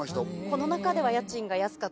この中では。